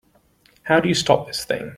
How do you stop this thing?